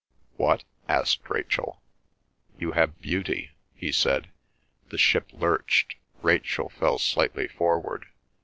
"What?" asked Rachel. "You have beauty," he said. The ship lurched. Rachel fell slightly forward.